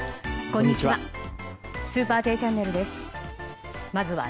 こんにちは。